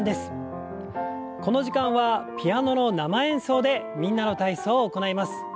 この時間はピアノの生演奏で「みんなの体操」を行います。